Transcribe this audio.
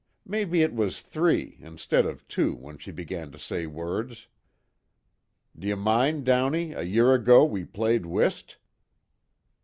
Maybe it was three, instead of two when she begun to say words. D'ye mind, Downey, a year ago we played whist?"